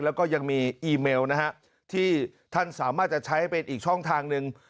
แล้วก็ยังมีอีเมลนะฮะที่ท่านสามารถจะใช้เป็นอีกช่องทางหนึ่ง